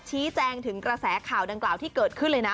ชี้แจงถึงกระแสข่าวดังกล่าวที่เกิดขึ้นเลยนะ